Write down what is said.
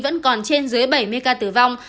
vẫn còn trên dưới bảy mươi ca tử vong